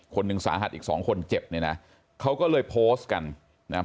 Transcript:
คนหนึ่งสาหัสอีกสองคนเจ็บเนี่ยนะเขาก็เลยโพสต์กันนะฮะ